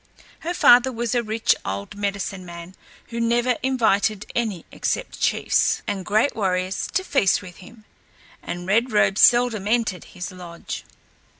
Her father was a rich old medicine man who never invited any except chiefs and great warriors to feast with him, and Red Robe seldom entered his lodge.